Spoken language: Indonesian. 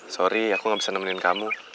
sorry aku gak bisa nemenin kamu